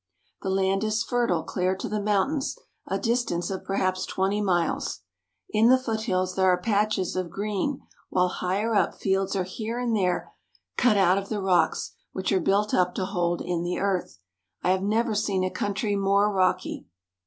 The land is fertile clear to the mountains, a distance of perhaps twenty miles. In the foothills there are patches of green, while higher up fields are here and there cut out of the rocks, which are built up to hold in the earth. I have never seen a country more rocky.